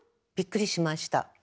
びっくりしました。